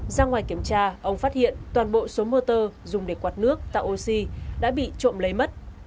ra ngoài kiểm tra ông phát hiện toàn bộ số motor dùng để quạt nước tạo oxy đã bị trộm lấy mất